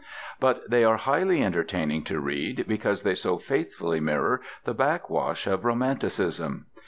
But they are highly entertaining to read because they so faithfully mirror the backwash of romanticism.